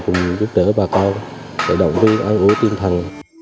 cùng giúp đỡ bà con để động viên an cư tinh thần